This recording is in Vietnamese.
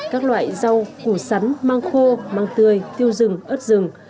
các loại rau củ sắn mang khô măng tươi tiêu rừng ớt rừng